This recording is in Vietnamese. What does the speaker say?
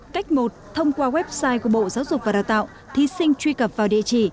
cách một thông qua website của bộ giáo dục và đào tạo thí sinh truy cập vào địa chỉ